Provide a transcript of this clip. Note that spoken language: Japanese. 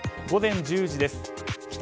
午前１０時です。